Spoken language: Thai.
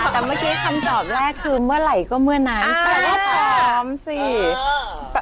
แต่เมื่อกี้คำตอบแรกคือเมื่อไหร่ก็เมื่อนั้นอ่าเสร็จว่าพร้อมสิเออ